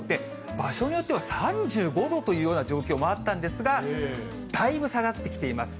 場所によっては３５度というような状況もあったんですが、だいぶ下がってきています。